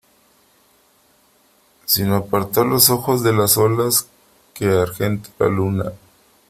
sin apartar los ojos de las olas que argenta la luna :